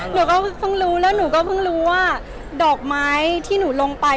หนูก็เพิ่งรู้แล้วหนูก็เพิ่งรู้ว่าดอกไม้ที่หนูลงไป